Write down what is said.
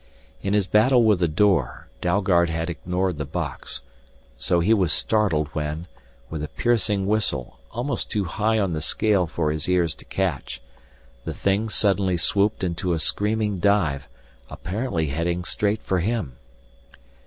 In his battle with the door Dalgard had ignored the box, so he was startled when, with a piercing whistle, almost too high on the scale for his ears to catch, the thing suddenly swooped into a screaming dive, apparently heading straight for him.